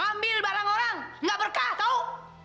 ambil barang orang tidak berkah tahu